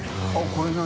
△これ何？